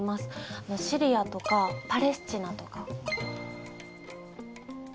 シリアとかパレスチナとか。